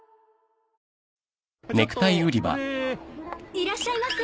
いらっしゃいませ。